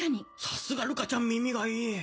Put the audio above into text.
さすがルカちゃん耳がいい。